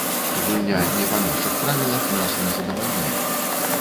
Гульня не па нашых правілах нас не задавальняе.